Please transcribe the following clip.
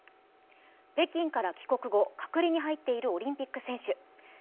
北京から帰国後、隔離に入っているオリンピック選手。